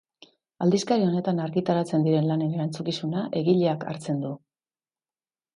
Aldizkari honetan argitaratzen diren lanen erantzukizuna egileak hartzen du.